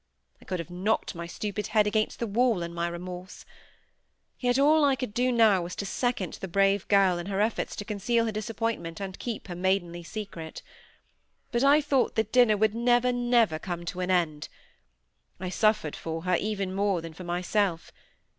I could have knocked my stupid head against the wall in my remorse. Yet all I could do now was to second the brave girl in her efforts to conceal her disappointment and keep her maidenly secret. But I thought that dinner would never, never come to an end. I suffered for her, even more than for myself.